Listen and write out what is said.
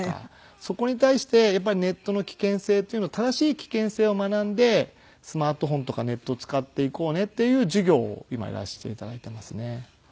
そこに対してやっぱりネットの危険性っていうのを正しい危険性を学んでスマートフォンとかネットを使っていこうねっていう授業を今やらせて頂いていますね。